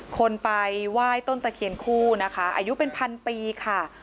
คนไปไหว้ต้นตะเคียนคู่นะคะอายุเป็นพันปีค่ะ